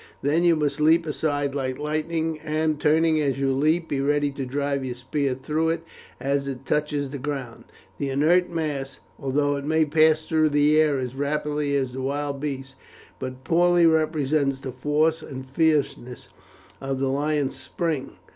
Then you must leap aside like lightning, and, turning as you leap, be ready to drive your spear through it as it touches the ground. The inert mass, although it may pass through the air as rapidly as the wild beast, but poorly represents the force and fierceness of the lion's spring.